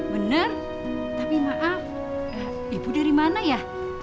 benar tapi maaf ibu dari mana ya